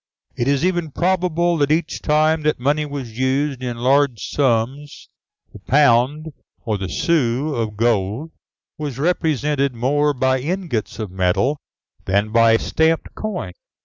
It is even probable that each time that money was used in large sums the pound or the sou of gold was represented more by ingots of metal than by stamped coin.